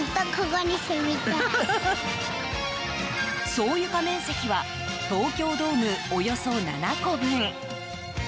総床面積は東京ドームおよそ７個分。